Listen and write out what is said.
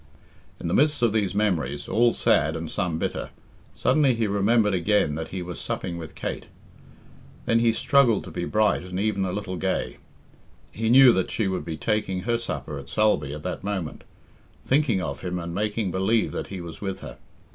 In the midst of these memories, all sad and some bitter, suddenly he remembered again that he was supping with Kate. Then he struggled to be bright and even a little gay. He knew that she would be taking her supper at Sulby at that moment, thinking of him and making believe that he was with her.